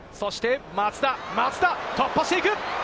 そして松田、突破していく。